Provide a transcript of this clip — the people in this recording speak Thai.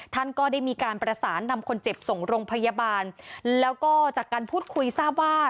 ท่านก็ได้มีการประสานนำคนเจ็บส่งโรงพยาบาลแล้วก็จากการพูดคุยทราบว่า